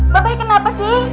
babe kenapa sih